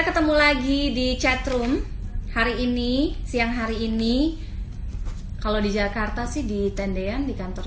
ketemu lagi di chatroom hari ini siang hari ini kalau di jakarta sih di tendean di kantor